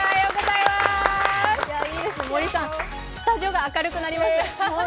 森さん、スタジオが明るくなりました。